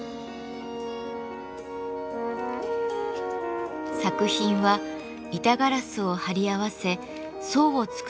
作品は板ガラスを貼り合わせ層を作ることから始めます。